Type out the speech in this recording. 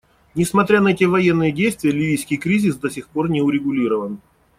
Несмотря на эти военные действия, ливийский кризис до сих пор не урегулирован.